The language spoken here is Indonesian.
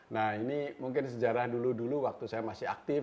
nah ini mungkin sejarah dulu dulu waktu saya masih aktif